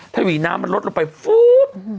ถ้าอยู่ดีน้ำมันลดลงไปฟู้